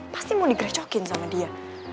pasti mau digerecokin sama dia